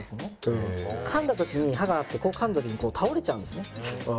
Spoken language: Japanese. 噛んだ時に歯があって噛んだ時に倒れちゃうんですね。